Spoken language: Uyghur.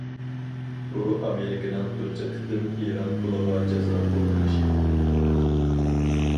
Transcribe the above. بۇ ئامېرىكىنىڭ تۇنجى قېتىم ئىران پۇلىغا جازا قوللىنىشى.